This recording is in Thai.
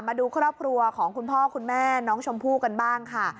มาดูครอบครัวของคุณพ่อคุณแม่น้องชมพู่กันบ้างค่ะ